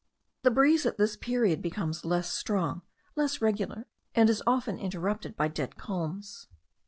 The breeze at this period becomes less strong, less regular, and is often interrupted by dead calms.